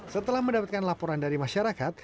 setelah mendapatkan laporan dari masyarakat